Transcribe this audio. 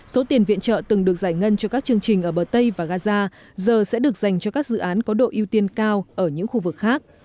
số tiền viện trợ từng được giải ngân cho các chương trình ở bờ tây và gaza giờ sẽ được dành cho các dự án có độ ưu tiên cao ở những khu vực khác